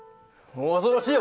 恐ろしいよ